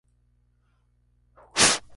Se encuentra al suroeste de Vicksburg, Misisipi.